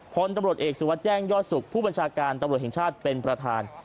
พลตำรวจเอกสุวัสดิแจ้งยอดสุขผู้บัญชาการตำรวจแห่งชาติเป็นประธาน